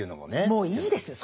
もういいですよ